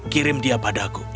kirim dia padaku